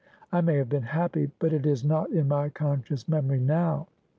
I may have been happy, but it is not in my conscious memory now.